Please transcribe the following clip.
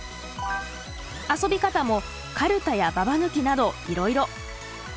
遊び方もカルタやババ抜きなどいろいろ。